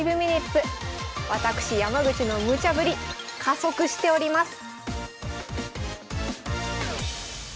私山口のムチャぶり加速しております